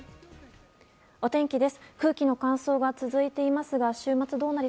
お天気です。